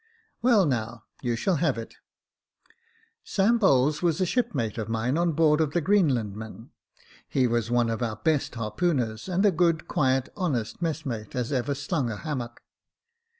" Well, now you shall have it. Sam Bowles was a shipmate of mine on board of the Greenlandman ; he was one of our best harpooners, and a good quiet, honest messmate, as ever slung a hammock.